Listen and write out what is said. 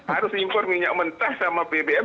harus impor minyak mentah sama bbm